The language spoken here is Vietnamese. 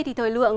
thì thời lượng